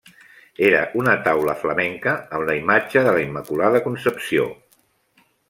Era una taula flamenca amb la imatge de la Immaculada Concepció.